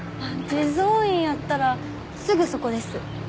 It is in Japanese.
地蔵院やったらすぐそこです